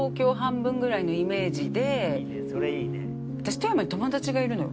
富山に友達がいるのよ。